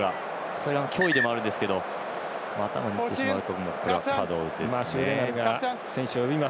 それは脅威でもあるんですけど頭いってしまうとこれはカードですね。